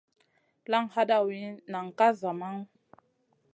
Laŋ hadawi, nan ka zamaŋu.